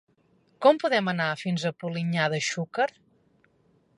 Com podem anar fins a Polinyà de Xúquer?